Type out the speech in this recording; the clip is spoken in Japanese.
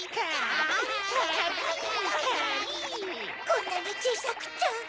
こんなにちいさくちゃ。